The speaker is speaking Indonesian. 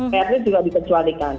prt juga dikecualikan